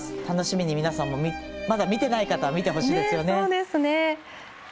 楽しみに皆さんもまだ見ていない方は見てほしいですよね。